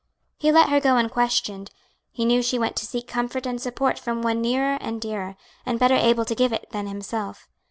He let her go unquestioned; he knew she went to seek comfort and support from One nearer and dearer, and better able to give it than himself.